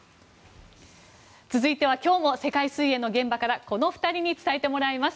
続いては今日も世界水泳の現場からこの２人に伝えてもらいます。